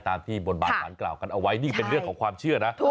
ที่บนบานสารกล่าวกันเอาไว้นี่เป็นเรื่องของความเชื่อนะ